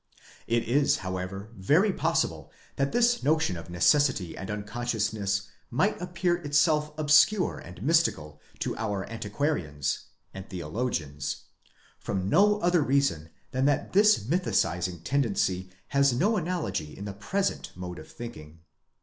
It is however very possible that this notion of necessity and unconsciousness, might appear itself obscure and mystical to our anti quarians (and theologians), from no other reason than that this mythicising tendency has no analogy in the present mode of thinking.